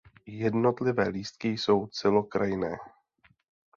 Jednotlivé lístky jsou celokrajné.